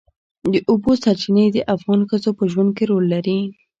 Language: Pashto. د اوبو سرچینې د افغان ښځو په ژوند کې رول لري.